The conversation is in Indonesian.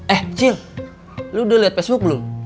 eh cil lo udah lihat facebook belum